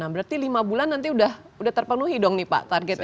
berarti lima bulan nanti sudah terpenuhi dong nih pak targetnya